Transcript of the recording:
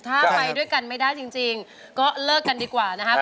ถ้าไปด้วยกันไม่ได้จริงก็เลิกกันดีกว่านะครับ